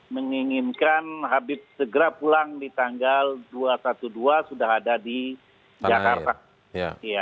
menginginkan habib segera pulang di tanggal dua belas sudah ada di jakarta